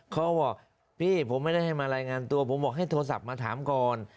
เขาบอกพี่ผมไม่ได้ให้มารายงานตัวผมบอกให้โทรศัพท์มาถามก่อน